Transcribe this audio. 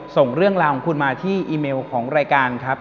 ส่งเรื่องราวของคุณมาที่อีเมลของรายการครับ